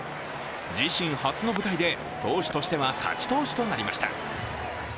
自身初の舞台で、投手としては勝ち投手となりました。